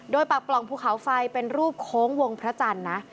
โดยปากปล่องภูเขาไฟเป็นรูปโค้งวงพระจันทร์นะ